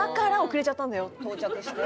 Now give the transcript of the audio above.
到着して？